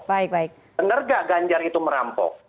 bener gak gajar itu merampok